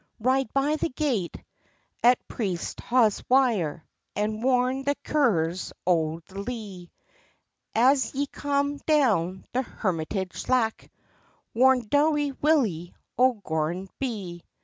"Ride by the gate at Priesthaughswire, And warn the Currors o' the Lee; As ye come down the Hermitage Slack, Warn doughty Willie o' Gorrinbery."